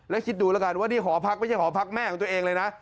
แล้วคิดดูแล้วกันว่านี่หอพักไม่ใช่หอพักแม่ของตัวเองเลยนะ